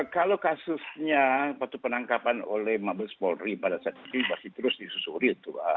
kalau kasusnya waktu penangkapan oleh mabes polri pada saat ini masih terus disusuri